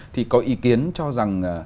thì có ý kiến cho rằng